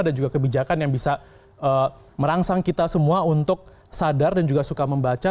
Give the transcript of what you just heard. dan juga kebijakan yang bisa merangsang kita semua untuk sadar dan juga suka membaca